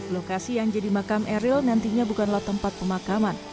lokasi yang jadi makam eril nantinya bukanlah tempat pemakaman